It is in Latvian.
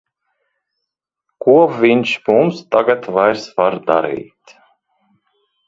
Ko viņš mums tagad vairs var darīt!